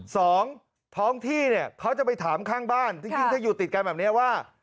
สองท้องที่เนี่ยเขาจะไปถามข้างบ้านจริงถ้าอยู่ติดกันแบบนี้ว่า